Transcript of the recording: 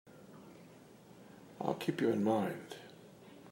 I'll keep you in mind.